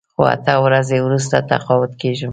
خو اته ورځې وروسته تقاعد کېږم.